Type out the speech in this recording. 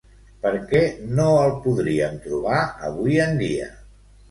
Per què no el podríem trobar avui en dia?